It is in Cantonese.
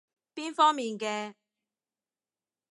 邊方面嘅？